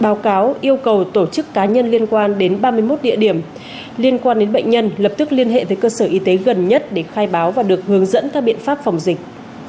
báo cáo yêu cầu tổ chức cá nhân liên quan đến ba mươi một địa điểm liên quan đến bệnh nhân lập tức liên hệ với cơ sở y tế gần nhất để khai báo và được hướng dẫn các biện pháp phòng dịch